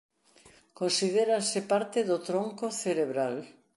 Considérase parte do tronco cerebral.